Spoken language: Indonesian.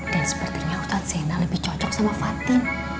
dan sepertinya ustaz zainal lebih cocok sama fatin